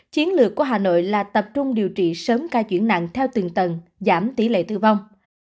chiến lược của hà nội là tập trung điều trị sớm ca chuyển nặng theo từng tầng giảm tỷ lệ tử vong